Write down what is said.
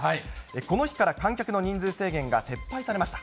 この日から観客の人数制限が撤廃されました。